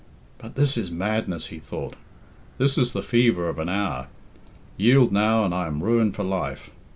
"But this is madness," he thought. "This is the fever of an hour. Yield now and I am ruined for life.